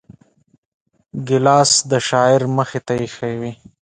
ګیلاس د شاعر مخې ته ایښی وي.